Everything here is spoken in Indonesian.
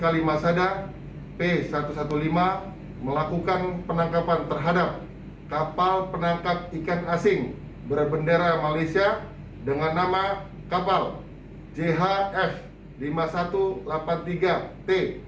kalimasada p satu ratus lima belas melakukan penangkapan terhadap kapal penangkap ikan asing berbendera malaysia dengan nama kapal jhf lima ribu satu ratus delapan puluh tiga t